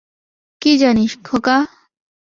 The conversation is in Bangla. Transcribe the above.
কি জানিস, খোকা?